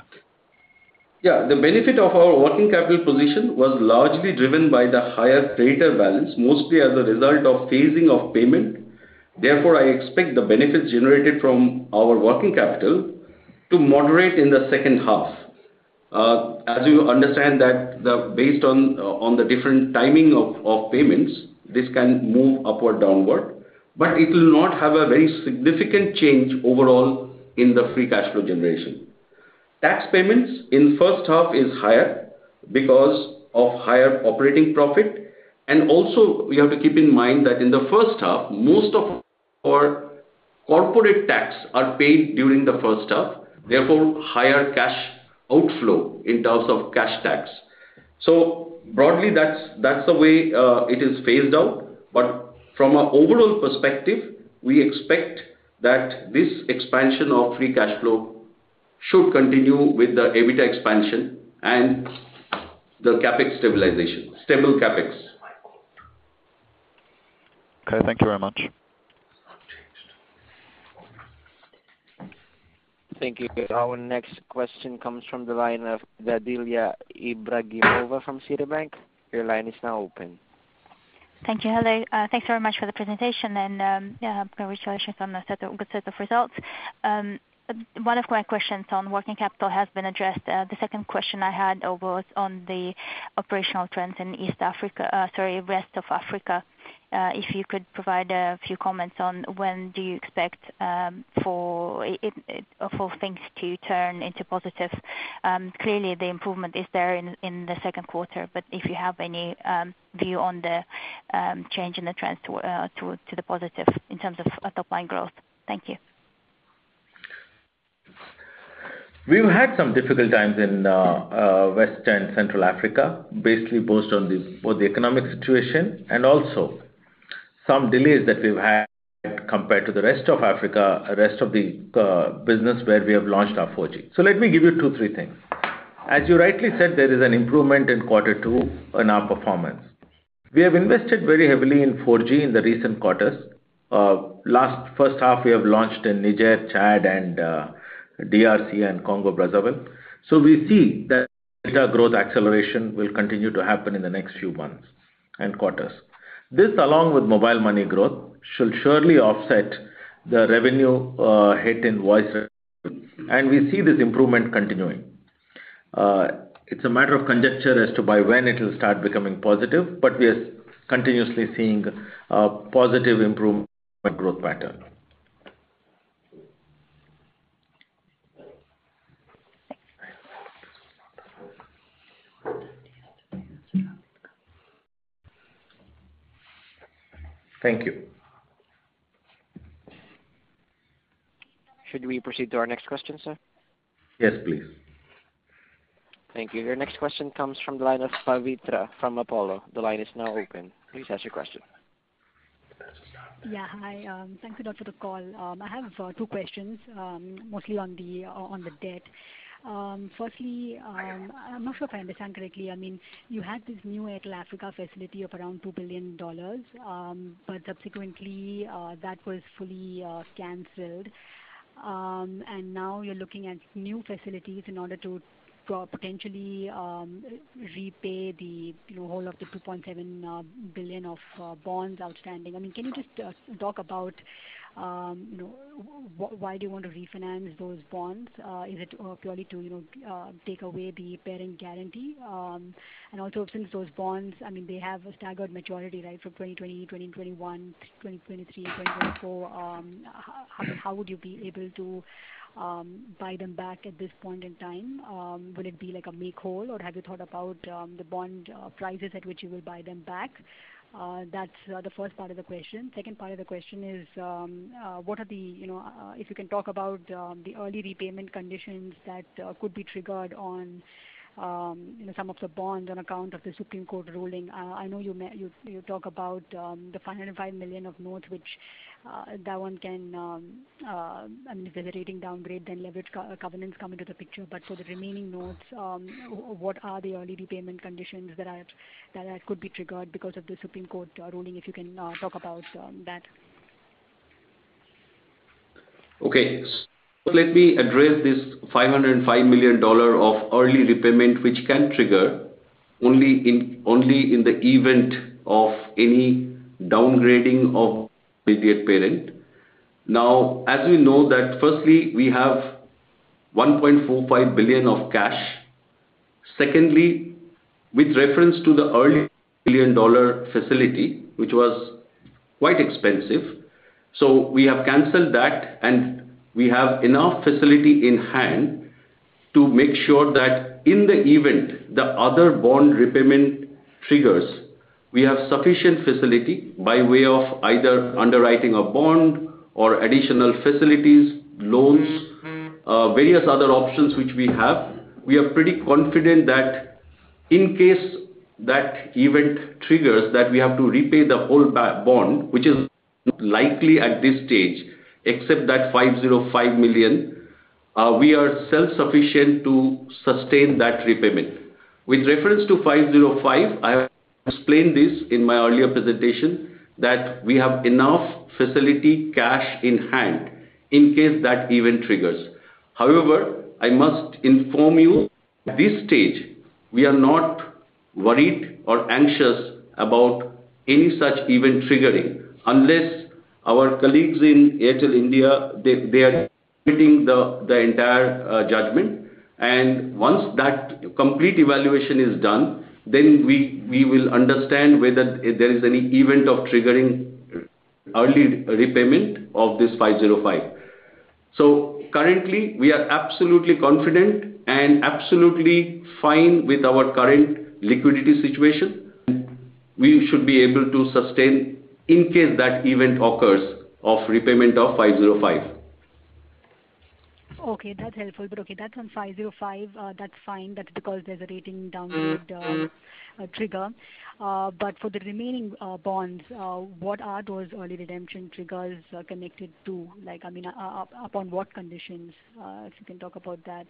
Yeah. The benefit of our working capital position was largely driven by the higher creditor balance, mostly as a result of phasing of payment. Therefore, I expect the benefits generated from our working capital to moderate in the second half. As you understand that based on the different timing of payments, this can move up or downward. It will not have a very significant change overall in the free cash flow generation. Tax payments in first half is higher because of higher operating profit. We have to keep in mind that in the first half, most of our corporate tax are paid during the first half, therefore, higher cash outflow in terms of cash tax. Broadly, that's the way it is phased out. From an overall perspective, we expect that this expansion of free cash flow should continue with the EBITDA expansion and the stable Capex. Okay. Thank you very much. Thank you. Our next question comes from the line of Dilya Ibragimova from Citi. Your line is now open. Thank you. Hello. Thanks very much for the presentation, congratulations on the good set of results. One of my questions on working capital has been addressed. The second question I had was on the operational trends in West of Africa. If you could provide a few comments on when do you expect for things to turn into positive? Clearly, the improvement is there in the second quarter, but if you have any view on the change in the trends to the positive in terms of top-line growth. Thank you. We've had some difficult times in West and Central Africa, basically both on the economic situation and also some delays that we've had compared to the rest of Africa, rest of the business where we have launched our 4G. Let me give you two, three things. As you rightly said, there is an improvement in quarter two in our performance. We have invested very heavily in 4G in the recent quarters. First half, we have launched in Niger, Chad, and DRC, and Congo Brazzaville. We see that data growth acceleration will continue to happen in the next few months and quarters. This, along with Mobile Money growth, should surely offset the revenue hit in voice revenue. We see this improvement continuing. It's a matter of conjecture as to by when it will start becoming positive, but we are continuously seeing a positive improvement in our growth pattern. Thank you. Should we proceed to our next question, sir? Yes, please. Thank you. Your next question comes from the line of Pavitra from Apollo. The line is now open. Please ask your question. Yeah. Hi. Thanks a lot for the call. I have two questions, mostly on the debt. Firstly, I'm not sure if I understand correctly. You had this new Airtel Africa facility of around $2 billion, but subsequently, that was fully canceled. Now you're looking at new facilities in order to potentially repay the whole of the $2.7 billion of bonds outstanding. Can you just talk about why do you want to refinance those bonds? Is it purely to take away the parent guarantee? Also, since those bonds, they have a staggered maturity, right, from 2020, 2021, 2023, 2024. How would you be able to buy them back at this point in time? Would it be like a make whole, or have you thought about the bond prices at which you will buy them back? That's the first part of the question. Second part of the question, if you can talk about the early repayment conditions that could be triggered on some of the bonds on account of the Supreme Court ruling. I know you talk about the $505 million of notes, which that one can, if there's a rating downgrade, then leverage covenants come into the picture. For the remaining notes, what are the early repayment conditions that could be triggered because of the Supreme Court ruling, if you can talk about that. Okay. Let me address this $505 million of early repayment, which can trigger only in the event of any downgrading of the parent. Firstly, we have $1.45 billion of cash. Secondly, with reference to the $1 billion facility, which was quite expensive. We have canceled that, and we have enough facility in hand to make sure that in the event the other bond repayment triggers, we have sufficient facility by way of either underwriting a bond or additional facilities, loans, various other options which we have. We are pretty confident that in case that event triggers that we have to repay the whole bond, which is likely at this stage, except that $505 million. We are self-sufficient to sustain that repayment. With reference to $505, I have explained this in my earlier presentation that we have enough facility cash in hand in case that event triggers. However, I must inform you at this stage, we are not worried or anxious about any such event triggering unless our colleagues in Airtel India, they are completing the entire judgment. Once that complete evaluation is done, then we will understand whether there is any event of triggering early repayment of this $505. Currently, we are absolutely confident and absolutely fine with our current liquidity situation. We should be able to sustain in case that event occurs of repayment of $505. Okay. That's helpful. Okay, that one $505, that's fine. That's because there's a rating downward trigger. For the remaining bonds, what are those early redemption triggers connected to? Upon what conditions, if you can talk about that.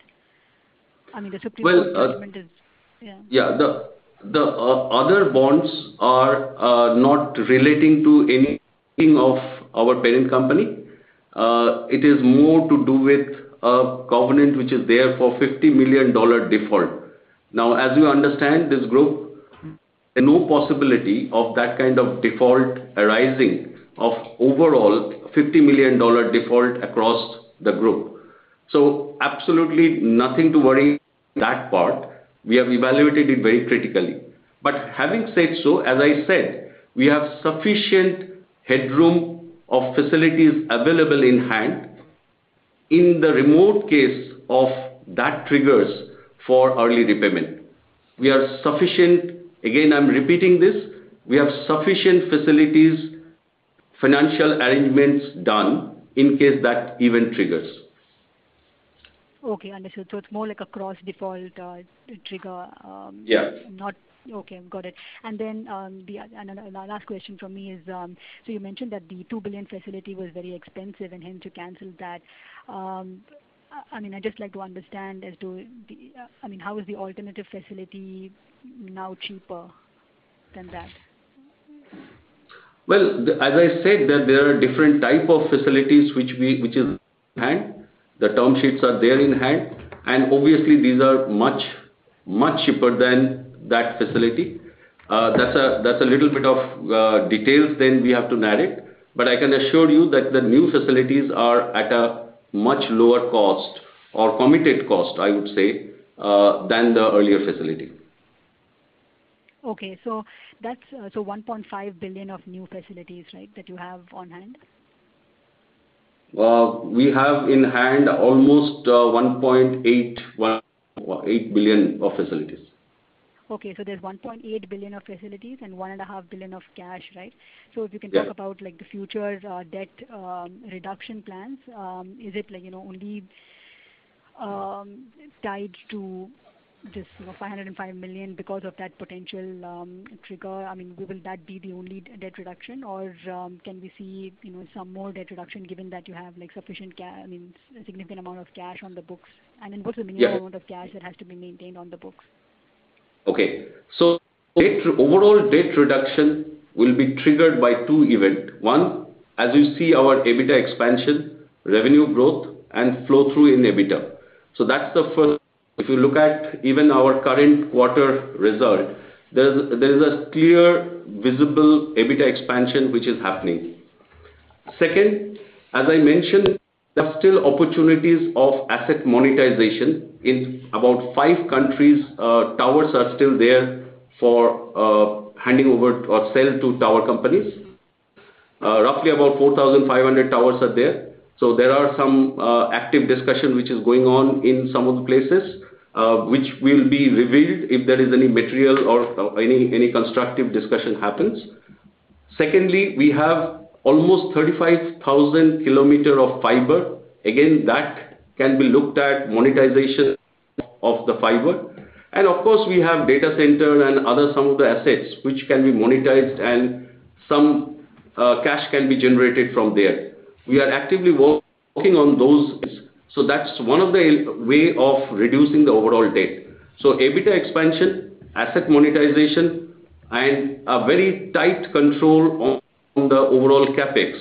The Supreme Court payment. Yeah. The other bonds are not relating to anything of our parent company. It is more to do with a covenant which is there for $50 million default. Now, as you understand this group, there is no possibility of that kind of default arising of overall $50 million default across the group. Absolutely nothing to worry on that part. We have evaluated it very critically. Having said so, as I said, we have sufficient headroom of facilities available in hand in the remote case of that triggers for early repayment. We are sufficient, again, I'm repeating this, we have sufficient facilities, financial arrangements done in case that event triggers. Okay, understood. It's more like a cross-default trigger. Yes. Okay, got it. The last question from me is, you mentioned that the $2 billion facility was very expensive and hence you canceled that. I mean, I'd just like to understand as to how is the alternative facility now cheaper than that? Well, as I said, there are different type of facilities which is in hand. The term sheets are there in hand. Obviously, these are much, much cheaper than that facility. That's a little bit of details then we have to narrate. I can assure you that the new facilities are at a much lower cost or committed cost, I would say, than the earlier facility. Okay. $1.5 billion of new facilities, right, that you have on hand? We have in hand almost $1.8 billion of facilities. Okay. There's $1.8 billion of facilities and $1.5 billion of cash, right? Yes. If you can talk about the future debt reduction plans, is it only tied to this $505 million because of that potential trigger? I mean, will that be the only debt reduction, or can we see some more debt reduction given that you have a significant amount of cash on the books? And then what's- Yes the minimum amount of cash that has to be maintained on the books? Okay. overall debt reduction will be triggered by two event. One, as you see our EBITDA expansion, revenue growth, and flow-through in EBITDA. That's the first. If you look at even our current quarter result, there is a clear visible EBITDA expansion which is happening. Secondly, as I mentioned, there are still opportunities of asset monetization. In about five countries, towers are still there for handing over or sell to tower companies. Roughly about 4,500 towers are there. There are some active discussion which is going on in some of the places, which will be revealed if there is any material or any constructive discussion happens. Secondly, we have almost 35,000 kilometer of fiber. Again, that can be looked at monetization of the fiber. Of course, we have data center and other some of the assets which can be monetized and some cash can be generated from there. We are actively working on those. That's one of the way of reducing the overall debt. EBITDA expansion, asset monetization, and a very tight control on the overall CapEx.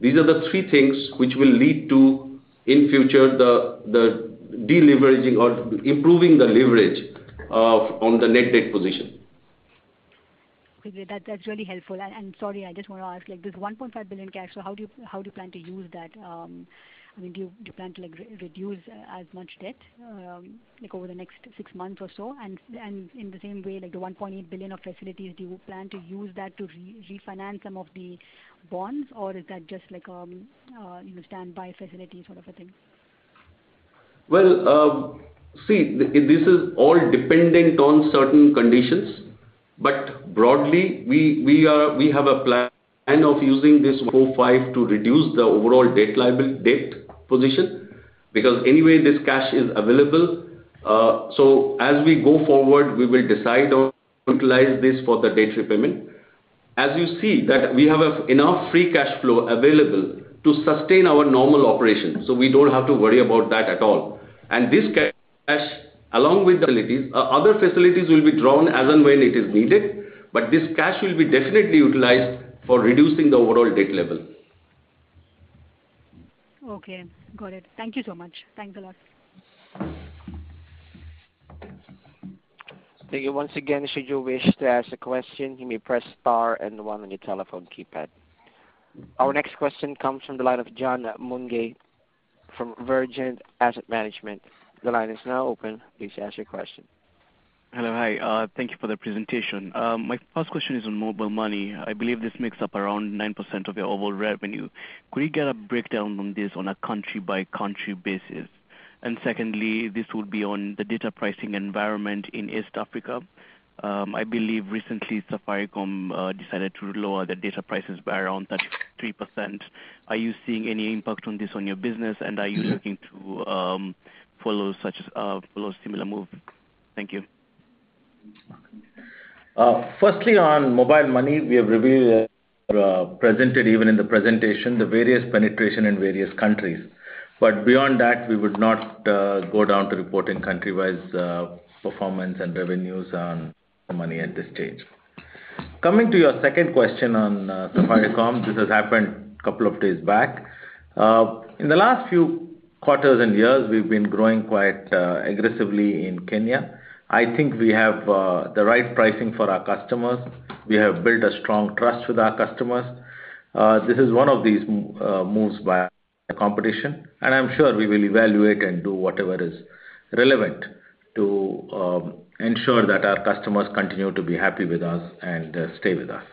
These are the three things which will lead to, in future, the de-leveraging or improving the leverage on the net debt position. Okay. That's really helpful. Sorry, I just want to ask, this $1.5 billion cash, how do you plan to use that? I mean, do you plan to reduce as much debt, like over the next six months or so? In the same way, like the $1.8 billion of facilities, do you plan to use that to refinance some of the bonds? Or is that just like a standby facility sort of a thing? Well, this is all dependent on certain conditions. Broadly, we have a plan of using this 1.5 to reduce the overall debt position, because anyway, this cash is available. As we go forward, we will decide on utilize this for the debt repayment. As you see that we have enough free cash flow available to sustain our normal operations. We don't have to worry about that at all. This cash, along with other facilities, will be drawn as and when it is needed. This cash will be definitely utilized for reducing the overall debt level. Okay. Got it. Thank you so much. Thanks a lot. Thank you once again. Should you wish to ask a question, you may press star and one on your telephone keypad. Our next question comes from the line of Johnathan Kennedy-Good from Vergent Asset Management. The line is now open. Please ask your question. Hello. Hi. Thank you for the presentation. My first question is on Mobile Money. I believe this makes up around 9% of your overall revenue. Could we get a breakdown on this on a country-by-country basis? Secondly, this would be on the data pricing environment in East Africa. I believe recently Safaricom decided to lower the data prices by around 33%. Are you seeing any impact on this on your business, and are you looking to follow a similar move? Thank you. Firstly, on Mobile Money, we have revealed or presented even in the presentation, the various penetration in various countries. Beyond that, we would not go down to reporting country-wise performance and revenues on Money at this stage. Coming to your second question on Safaricom, this has happened a couple of days back. In the last few quarters and years, we've been growing quite aggressively in Kenya. I think we have the right pricing for our customers. We have built a strong trust with our customers. This is one of these moves by the competition, and I'm sure we will evaluate and do whatever is relevant to ensure that our customers continue to be happy with us and stay with us.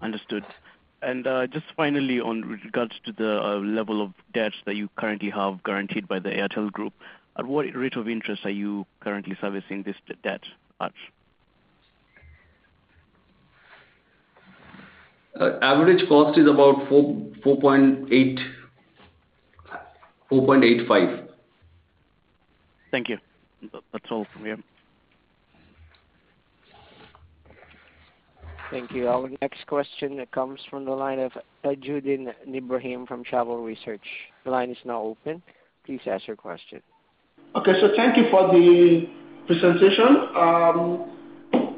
Understood. Just finally, on regards to the level of debt that you currently have guaranteed by the Airtel Group, at what rate of interest are you currently servicing this debt at? Average cost is about 4.85. Thank you. That's all from here. Thank you. Our next question comes from the line of Tajudeen Ibrahim from Chapel Hill Denham. The line is now open. Please ask your question. Thank you for the presentation.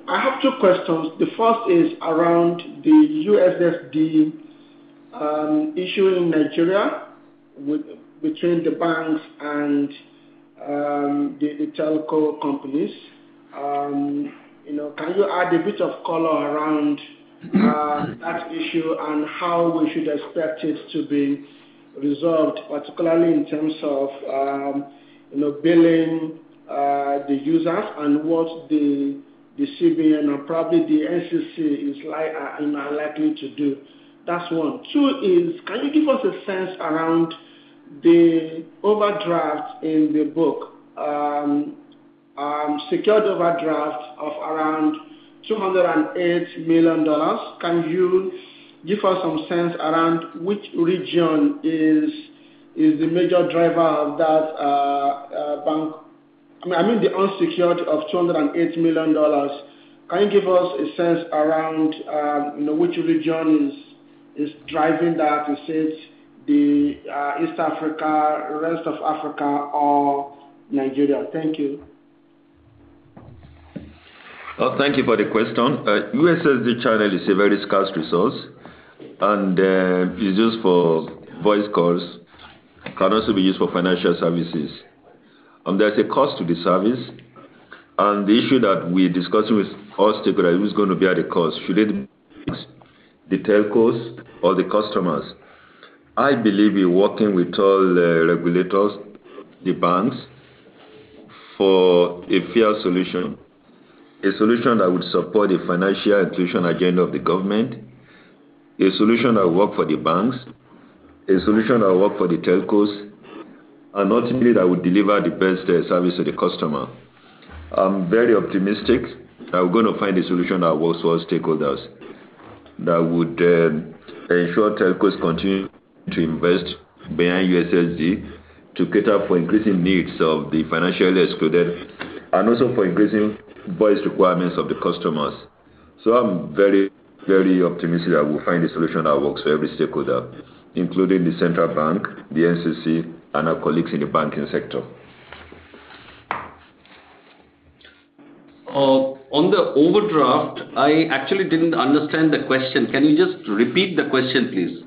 I have two questions. The first is around the USSD issue in Nigeria between the banks and the telco companies. Can you add a bit of color around that issue and how we should expect it to be resolved, particularly in terms of billing the users and what the CBN or probably the NCC is likely to do? That's one. Two is, can you give us a sense around the overdraft in the book, secured overdraft of around $208 million. Can you give us some sense around which region is the major driver of that bank? I mean the unsecured of $208 million. Can you give us a sense around which region is driving that? Is it the East Africa, rest of Africa or Nigeria? Thank you. Thank you for the question. USSD channel is a very scarce resource, and is used for voice calls, can also be used for financial services. There's a cost to the service. The issue that we're discussing with all stakeholders, who's going to bear the cost? Should it be the telcos or the customers? I believe we're working with all regulators, the banks, for a fair solution. A solution that would support the financial inclusion agenda of the government, a solution that will work for the banks, a solution that will work for the telcos, and ultimately, that will deliver the best service to the customer. I'm very optimistic that we're going to find a solution that works for all stakeholders. That would ensure telcos continue to invest behind USSD to cater for increasing needs of the financially excluded, and also for increasing voice requirements of the customers. I'm very optimistic that we'll find a solution that works for every stakeholder, including the Central Bank, the NCC, and our colleagues in the banking sector. On the overdraft, I actually didn't understand the question. Can you just repeat the question, please?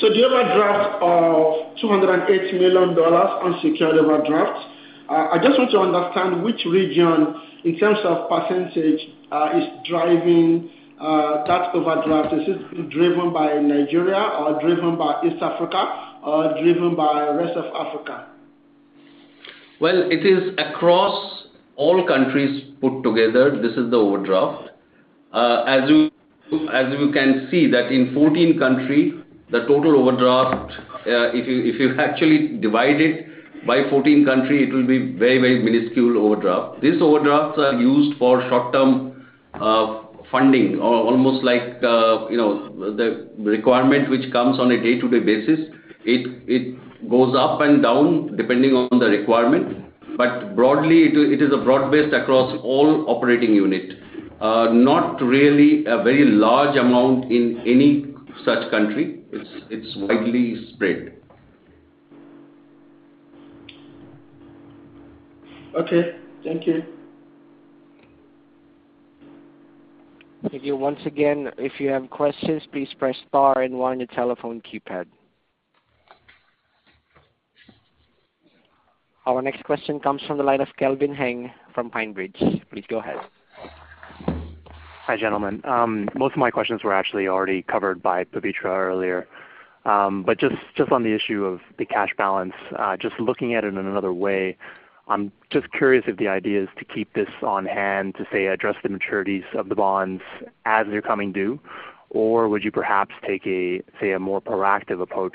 The overdraft of $208 million, unsecured overdraft. I just want to understand which region, in terms of %, is driving that overdraft. Is it driven by Nigeria or driven by East Africa or driven by Rest of Africa? Well, it is across all countries put together. This is the overdraft. As you can see that in 14 countries, the total overdraft, if you actually divide it by 14 countries, it will be very minuscule overdraft. These overdrafts are used for short-term funding, almost like the requirement which comes on a day-to-day basis. It goes up and down depending on the requirement. Broadly, it is broad-based across all operating units. Not really a very large amount in any such country. It's widely spread. Okay. Thank you. Thank you. Once again, if you have questions, please press star and one on your telephone keypad. Our next question comes from the line of Kelvin Heng from PineBridge. Please go ahead. Hi, gentlemen. Most of my questions were actually already covered by Pavitra earlier. Just on the issue of the cash balance, just looking at it in another way. I'm just curious if the idea is to keep this on hand to, say, address the maturities of the bonds as they're coming due, or would you perhaps take a, say, a more proactive approach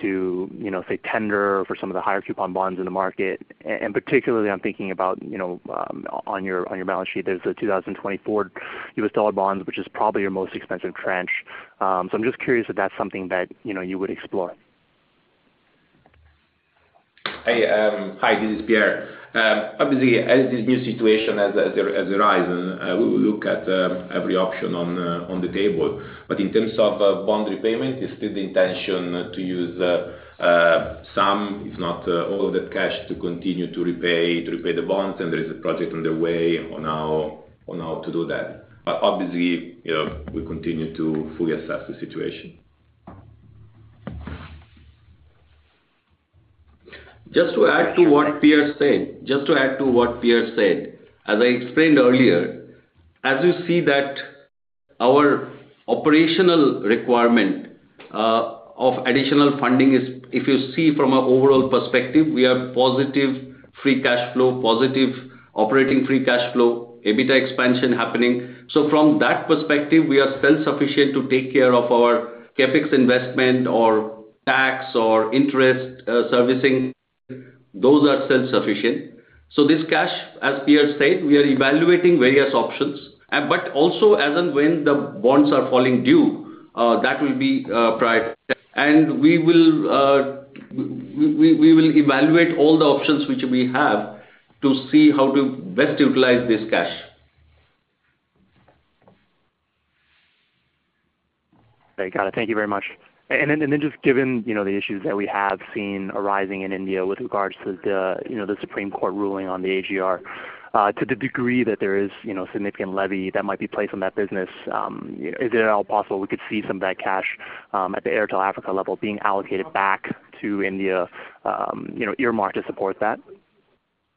to say tender for some of the higher coupon bonds in the market? Particularly, I'm thinking about on your balance sheet, there's a 2024 US dollar bonds, which is probably your most expensive tranche. I'm just curious if that's something that you would explore. Hi, this is Pierre. Obviously, as this new situation has arisen, we will look at every option on the table. In terms of bond repayment, it's still the intention to use some, if not all of that cash to continue to repay the bonds, there is a project on the way on how to do that. Obviously, we continue to fully assess the situation. Just to add to what Pierre said, as I explained earlier, as you see that our operational requirement of additional funding is, if you see from an overall perspective, we are positive free cash flow, positive operating free cash flow, EBITDA expansion happening. From that perspective, we are self-sufficient to take care of our Capex investment or tax or interest servicing. Those are self-sufficient. This cash, as Pierre said, we are evaluating various options. Also, as and when the bonds are falling due, that will be prioritized. We will evaluate all the options which we have to see how to best utilize this cash. Got it. Thank you very much. Just given the issues that we have seen arising in India with regards to the Supreme Court ruling on the AGR. To the degree that there is significant levy that might be placed on that business, is it at all possible we could see some of that cash at the Airtel Africa level being allocated back to India, earmarked to support that?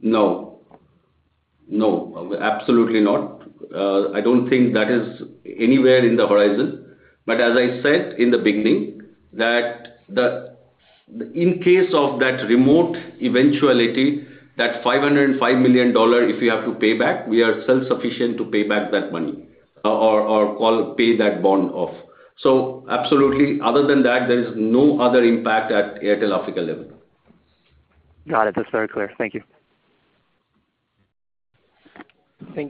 No. Absolutely not. I don't think that is anywhere in the horizon. As I said in the beginning, that in case of that remote eventuality, that $505 million, if we have to pay back, we are self-sufficient to pay back that money or pay that bond off. Absolutely, other than that, there is no other impact at Airtel Africa level. Got it. That's very clear. Thank you. Thank you.